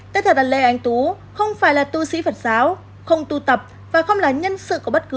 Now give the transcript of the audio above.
tức là lê anh tú không phải là tu sĩ phật giáo không tu tập và không là nhân sự của bất cứ